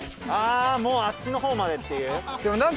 ああもうあっちの方までっていう？